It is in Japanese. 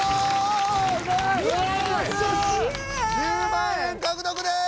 １０万円獲得です！